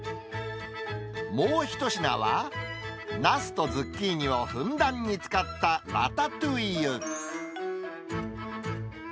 もう１品は、ナスとズッキーニをふんだんに使ったラタトゥイユ。